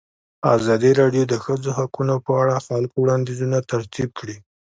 ازادي راډیو د د ښځو حقونه په اړه د خلکو وړاندیزونه ترتیب کړي.